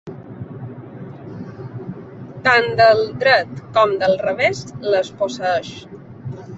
Tant del dret com del revés, les posseeix.